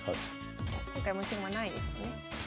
今回持ち駒ないですもんね。